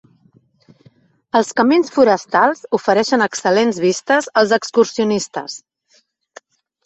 Els camins forestals ofereixen excel·lents vistes als excursionistes.